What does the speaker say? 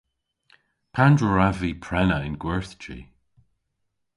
Pandr'a wrav vy prena y'n gwerthji?